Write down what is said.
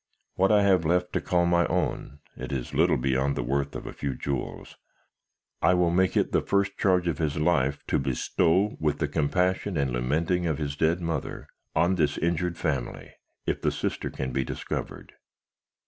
What I have left to call my own it is little beyond the worth of a few jewels I will make it the first charge of his life to bestow,' with the compassion and lamenting of his dead mother, on this injured family, if the sister can be discovered.'